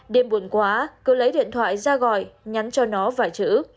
đêm buồn quá cứ lấy điện thoại ra gọi nhắn cho nó vài chữ